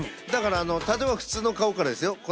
だから例えば普通の顔からですよ？